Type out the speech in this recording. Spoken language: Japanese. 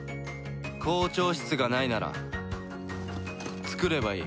校長室がないなら作ればいい。